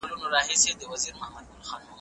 هیڅکله خپل ماشوم له نورو سره مه مقایسه کوئ.